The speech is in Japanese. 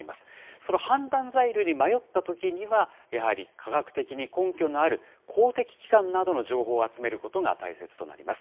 その判断材料に迷ったときには、やはり科学的に根拠のある公的機関などの情報を集めることが大切となります。